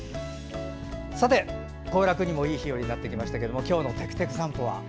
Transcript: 行楽にもいい日和になってきましたけど今日の「てくてく散歩」は。